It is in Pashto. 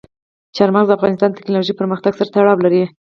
چار مغز د افغانستان د تکنالوژۍ پرمختګ سره تړاو لري.